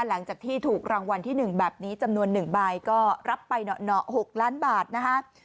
หลังจากที่ถูกรางวัลที่๑แบบนี้จำนวน๑ใบก็รับไปเหนาะ๖ล้านบาทนะฮะ